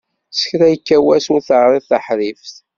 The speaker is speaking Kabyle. S kra yekka wass ur teɛriḍ taḥerrift.